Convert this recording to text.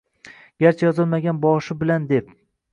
Garchi yozilmagan «boshi bilan» deb